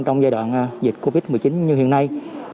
trong giai đoạn dịch covid một mươi chín như hiện nay